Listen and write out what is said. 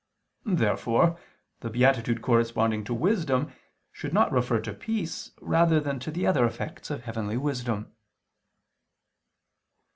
Therefore the beatitude corresponding to wisdom should not refer to peace rather than to the other effects of heavenly wisdom.